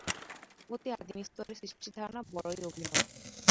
অতি আদিম স্তরে সৃষ্টির ধারণা বড়ই অভিনব।